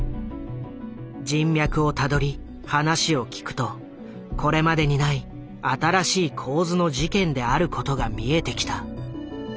人脈をたどり話を聞くとこれまでにない新しい構図の事件であることが見えてきた。